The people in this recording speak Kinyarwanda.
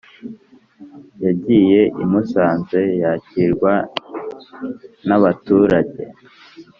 Yagiye imusanze yakirwa nabaturage